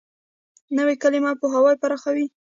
نوې کلیمه پوهه پراخوي